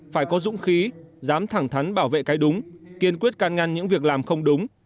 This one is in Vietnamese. phải có dũng khí dám thẳng thắn bảo vệ cái đúng kiên quyết can ngăn những việc làm không đúng